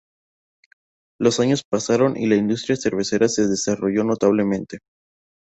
Los años pasaron y la industria cervecera se desarrolló notablemente.